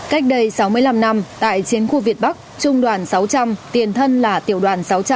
cách đây sáu mươi năm năm tại chiến khu việt bắc trung đoàn sáu trăm linh tiền thân là tiểu đoàn sáu trăm linh